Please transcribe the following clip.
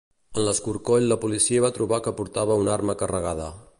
En l'escorcoll la policia va trobar que portava una arma carregada.